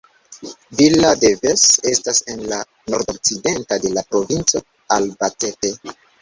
Villa de Ves estas en la nordokcidento de la provinco Albacete.